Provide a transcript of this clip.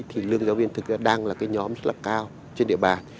thì lương giáo viên thực ra đang là cái nhóm rất là cao trên địa bàn